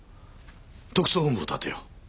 特捜本部を立てよう。